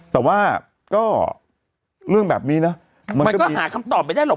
แต่ว่าก็เรื่องแบบนี้นะมันก็หาคำตอบไม่ได้หรอก